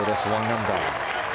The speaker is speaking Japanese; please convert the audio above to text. １アンダー。